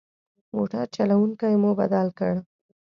موټر چلوونکی مو بدل کړ.